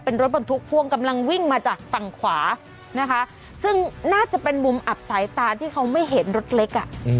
เป็นรถบรรทุกพ่วงกำลังวิ่งมาจากฝั่งขวานะคะซึ่งน่าจะเป็นมุมอับสายตาที่เขาไม่เห็นรถเล็กอ่ะ